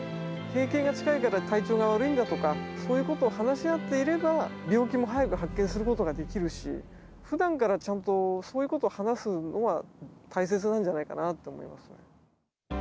閉経が近いから体調が悪いんだとか、そういうことを話し合っていれば、病気も早く発見することができるし、ふだんからちゃんと、そういうことを話すのは大切なんじゃないかなと思います。